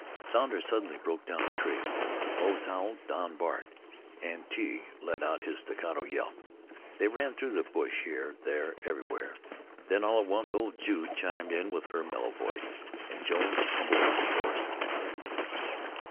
Sounder suddenly broke down a trail. Moze howled, Don barked, and Tige let out his staccato yelp. They ran through the brush here, there, every where. Then all at once old Jude chimed in with her mellow voice, and Jones tumbled off his horse.